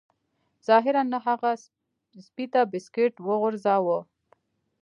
ظاهراً نه هغه سپي ته بسکټ وغورځاوه